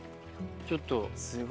ちょっと。